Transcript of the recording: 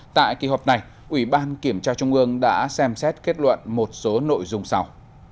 tại kỳ họp này ủy ban kiểm tra trung ương đã xem xét kết luận một số nội dung sau